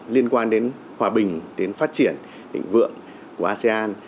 liên quan đến hòa bình phát triển hình vượng của asean